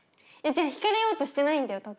じゃあ惹かれようとしてないんだよ